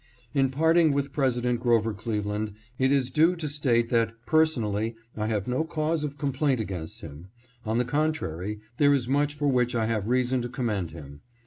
In parting with President Grover Cleveland, it is due to state that, personally, I have no cause of complaint against him. On the contrary, there is much for which I have reason to commend him.